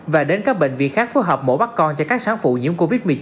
và đến các bệnh viện khác phối hợp mổ bắt con cho các sáng phụ nhiễm covid một mươi chín